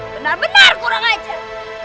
benar benar kurang ajar